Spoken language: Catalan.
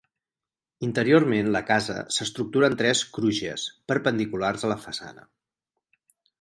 Interiorment la casa s'estructura en tres crugies perpendiculars a la façana.